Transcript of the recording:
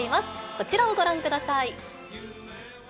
こちらをご覧ください。